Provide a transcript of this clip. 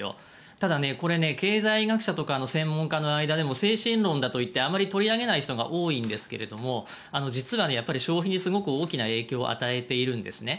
ただ、経済学者とかの専門家の間でも精神論だといってあまり取り上げない人が多いんですが実は消費にすごく大きな影響を与えているんですね。